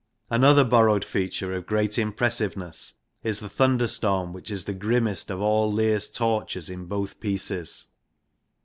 Another bor rowed feature of great impressiveness is the thunderstorm, which is the grimmest of all Lear's tortures in both pieces.